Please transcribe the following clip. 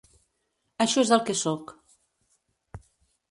Això és el que soc.